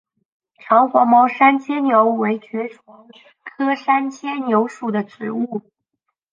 长黄毛山牵牛为爵床科山牵牛属的植物。